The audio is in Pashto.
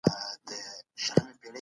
د علم رڼا هيڅوک نسي پټولای.